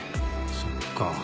そっか。